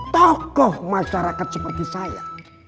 tokoh masyarakat seperti saya